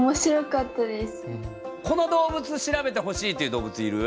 この動物調べてほしいという動物いる？